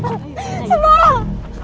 kamu bikin malu saja